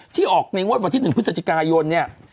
ที่ออกในวันที่๑พฤศจิกายนเนี่ย